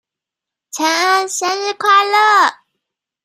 承恩生日快樂！